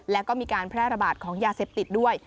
แล้วก็มีการแพร่ระบาดของยาเสพติดด้วย